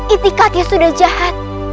itikatnya sudah jahat